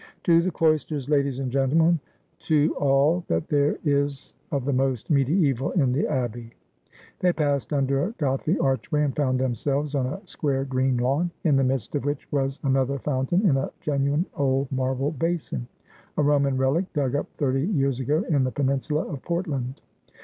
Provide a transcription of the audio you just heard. ' To the cloisters, ladies and gentlemen, to all that there is of the most mediaeval in the Abbey.' They passed under a Gothic archway and found themselves on a square green lawn, in the midst of which was another foun tain in a genuine old marble basin, a Roman relic dug up thirty years ago in the peninsula of Portland.